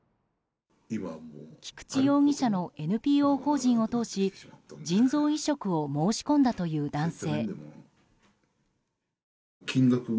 菊池容疑者のＮＰＯ法人を通し腎臓移植を申し込んだという男性。